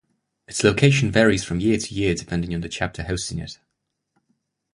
Its location varies from year to year depending on the chapter hosting it.